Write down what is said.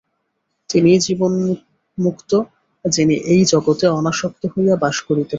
তিনিই জীবন্মুক্ত, যিনি এই জগতে অনাসক্ত হইয়া বাস করিতে পারেন।